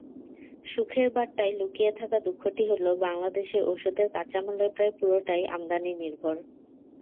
সুখের বার্তায় লুকিয়ে থাকা দুঃখটি হলো, বাংলাদেশের ওষুধের কাঁচামালের প্রায় পুরোটাই আমদানিনির্ভর।